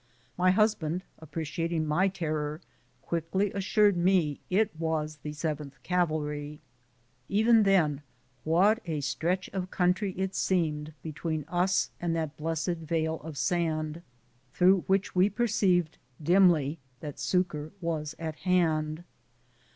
My husband, appreciating my terror, quickly assured me it was the 7th Cavalry. Even then, what a stretch of country it seemed between us and that blessed veil of sand, through which we perceived dimly that succor was at hand.